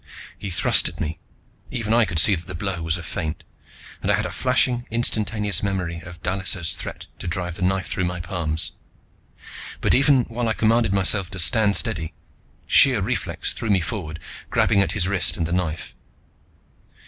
He thrust at me. Even I could see that the blow was a feint, and I had a flashing, instantaneous memory of Dallisa's threat to drive the knife through my palms. But even while I commanded myself to stand steady, sheer reflex threw me forward, grabbing at his wrist and the knife.